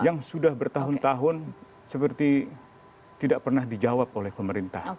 yang sudah bertahun tahun seperti tidak pernah dijawab oleh pemerintah